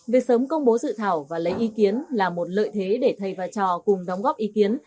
việc sớm công bố dự thảo và lấy ý kiến là một lợi thế để thầy và trò cùng đóng góp ý kiến